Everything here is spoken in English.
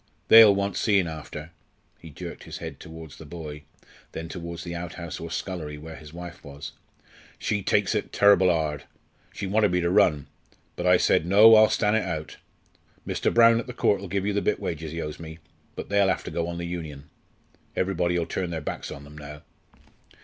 They'll want seein' after." He jerked his head towards the boy, then towards the outhouse or scullery where his wife was. "She takes it terr'ble hard. She wanted me to run. But I said, 'No, I'll stan' it out.' Mr. Brown at the Court'll give you the bit wages he owes me. But they'll have to go on the Union. Everybody'll turn their backs on them now."